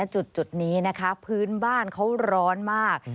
จุดนี้นะคะพื้นบ้านเขาร้อนมาก